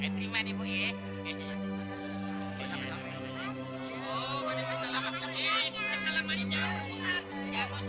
terima nih bu